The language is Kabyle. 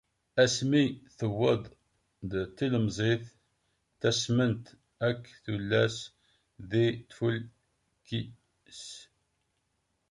Asmi tuweḍ d tilemẓit, ttasment akk tullas di tfulki-s.